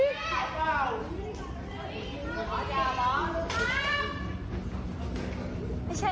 เจ้าม่ากคิดเชิง